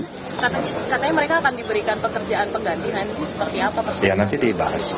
katanya mereka akan diberikan pekerjaan penggantian ini seperti apa